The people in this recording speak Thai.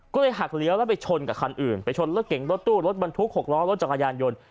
ก็เลยหักเลี้ยวแล้วไปชนกับคันอื่นไปชนรถเก่งรถตู้รถบรรทุก๖ล้อรถจักรยานยนต์